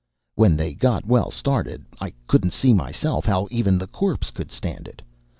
When they got well started, I couldn't see, myself, how even the corpse could stand it.